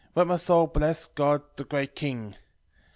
13:15 Let my soul bless God the great King.